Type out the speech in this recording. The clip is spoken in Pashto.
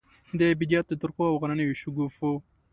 د بیدیا د ترخو او غرنیو شګوفو،